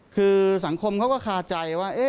คือสังคมเขาก็คาใจว่า